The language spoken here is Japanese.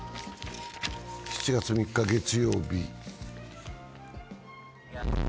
７月３日月曜日